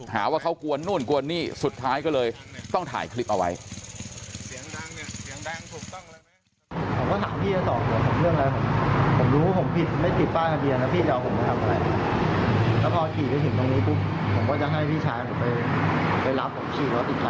หาว่าเขากวนนู่นกวนนี่สุดท้ายก็เลยต้องถ่ายคลิปเอาไว้